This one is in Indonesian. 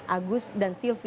agus dan suami